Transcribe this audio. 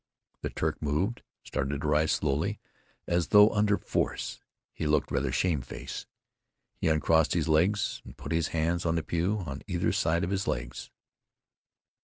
The Turk moved, started to rise, slowly, as though under force. He looked rather shamefaced. He uncrossed his legs and put his hands on the pew, on either side of his legs.